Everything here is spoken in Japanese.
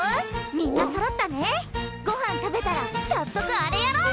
みんな揃ったねご飯食べたら早速あれやろう！